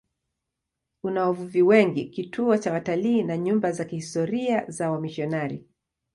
Una wavuvi wengi, kituo cha watalii na nyumba za kihistoria za wamisionari.